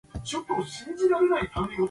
This occurs in the theory of Bessel functions.